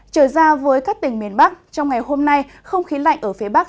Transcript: trở ra với các tỉnh miền bắc trong ngày hôm nay không khí lạnh ở phía bắc